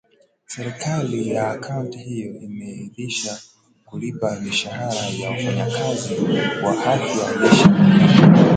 serikali ya kaunti hiyo imedinda kulipa mishahara ya wafanyikazi wa afya licha ya